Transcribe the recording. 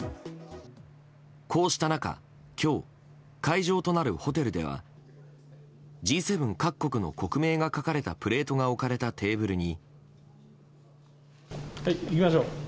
こうした中、今日会場となるホテルではＧ７各国の国名が書かれたプレートが置かれたテーブルに。